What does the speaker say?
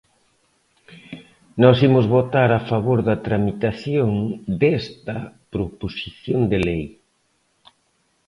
Nós imos votar a favor da tramitación desta proposición de lei.